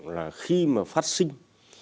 là khi mà phát sinh